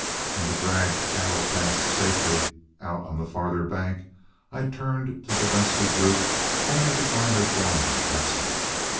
When the drag cattle passed safely out on the farther bank, I turned to the dusky group, only to find their foreman absent.